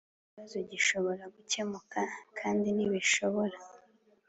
Ikibazo gishobore gukemuka kandi ntibishobora